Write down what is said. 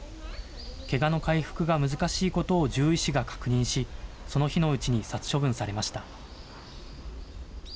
けがの回復が難しいことを獣医師が確認し、その日のうちに殺処分されました。